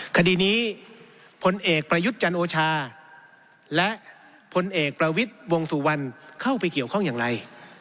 คดีนี้พลเอกประยุทธ์จันโอชาและพลเอกประวิทย์วงสุวรรณเข้าไปเกี่ยวข้องอย่างไร